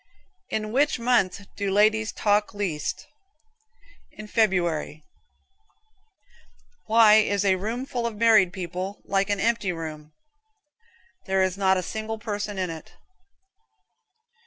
In which month do ladies talk least? In February. Why is a room full of married folks like an empty room? There is not a single person in it.